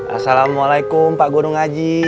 assalamualaikum pak gunung aji